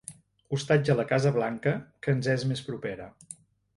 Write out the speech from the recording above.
Hostatja la Casa Blanca que ens és més propera.